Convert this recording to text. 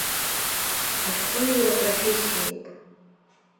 Ашәҟәыҩҩра профессиоуп.